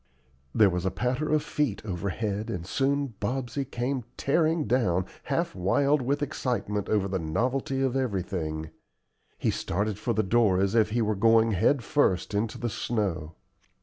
There was a patter of feet overhead, and soon Bobsey came tearing down, half wild with excitement over the novelty of everything. He started for the door as if he were going head first into the snow.